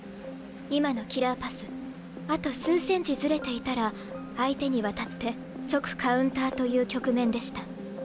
今のキラーパスあと数センチずれていたら相手に渡って即カウンターという局面でした。